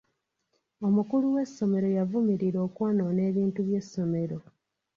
Omukulu w'essomero yavumirira okwonoona ebintu by'essomero.